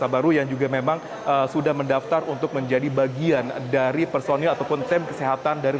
baik dari bagaimana